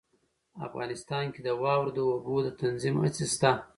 افغانستان کې د واورو د اوبو د تنظیم هڅې شته.